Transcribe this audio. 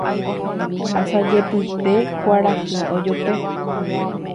Asajepyte kuarahy ojope.